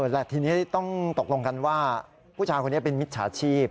และทีนี้ต้องตกลงกันว่าผู้ชายคนนี้เป็นมิจฉาชีพ